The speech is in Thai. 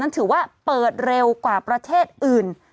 ถือว่าเปิดเร็วกว่าประเทศอื่น